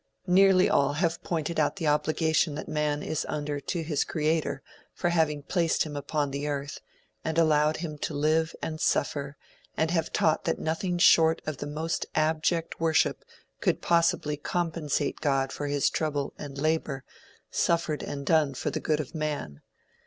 Nearly all have pointed out the obligation that man is under to his creator for having placed him upon the earth, and allowed him to live and suffer, and have taught that nothing short of the most abject worship could possibly compensate God for his trouble and labor suffered and done for the good of man.